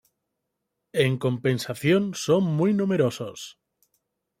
En compensación, son muy numerosos.